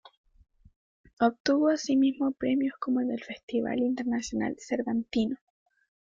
Obtuvo asimismo premios como el del Festival Internacional Cervantino.